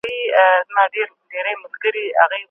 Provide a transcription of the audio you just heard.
د کمپیوټر فایلونه منظم کړئ.